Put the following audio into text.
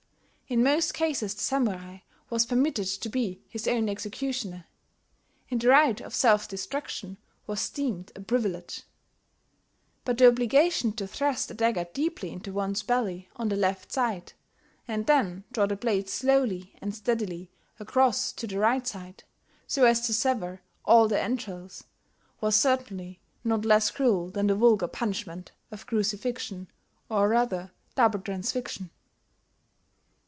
In most cases the Samurai was permitted to be his own executioner; and the right of self destruction was deemed a privilege; but the obligation to thrust a dagger deeply into one's belly on the left side, and then draw the blade slowly and steadily across to the right side, so as to sever all the entrails, was certainly not less cruel than the vulgar punishment of crucifixion, or rather, double transfixion.